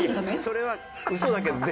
それは嘘だけどね。